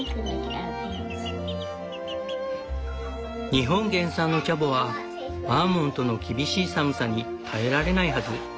「日本原産のチャボはバーモントの厳しい寒さに耐えられないはず」。